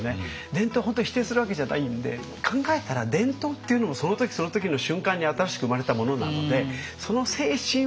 伝統本当に否定するわけじゃないんで考えたら伝統っていうのもその時その時の瞬間に新しく生まれたものなのでその精神は大切に。